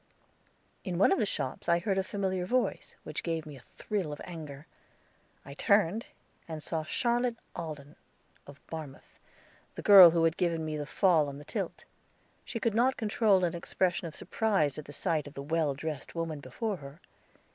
In one of the shops I heard a familiar voice, which gave me a thrill of anger. I turned and saw Charlotte Alden, of Barmouth, the girl who had given me the fall on the tilt. She could not control an expression of surprise at the sight of the well dressed woman before her.